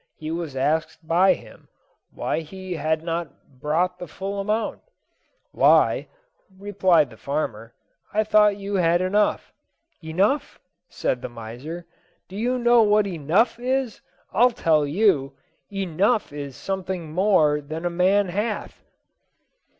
He was asked by him why he had not brought the full amount. 'Why,' replied the farmer, 'I thought you had enough.' 'Enough!' said the miser; 'do you know what enough is? I'll tell you Enough is something more than a man hath!'"